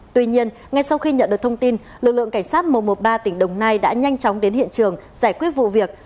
tuy nhiên ngay sau khi nhận được thông tin lực lượng cảnh sát một trăm một mươi ba tỉnh đồng nai đã nhanh chóng đến hiện trường giải quyết vụ việc